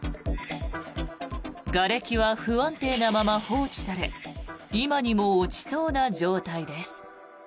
がれきは不安定なまま放置され今にも落ちそうな状態です。